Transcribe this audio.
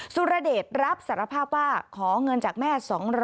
สุรเดชรับสารภาพว่าขอเงินจากแม่๒๐๐